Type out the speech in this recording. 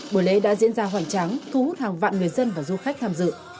buổi lễ đã diễn ra hoàn trang thu hút hàng vạn người dân và du khách tham dự